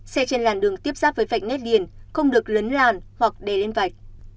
xe trên làn đường tiếp giáp với vạch nét liền không được lấn làn hoặc đè lên vạch